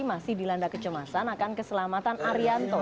masih dilanda kecemasan akan keselamatan arianto